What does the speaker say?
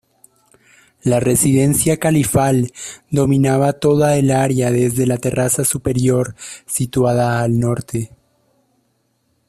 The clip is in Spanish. La residencia califal dominaba toda el área desde la terraza superior situada al norte.